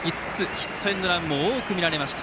ヒットエンドランも多く見られました。